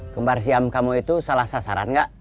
kembar siam kamu itu salah sasaran nggak